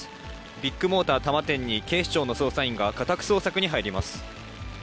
ビッグモーター多摩店に警視庁の捜査員が家宅捜索に入ります。